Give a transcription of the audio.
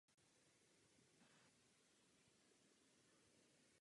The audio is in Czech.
V současné době je uložena v Musée du Luxembourg.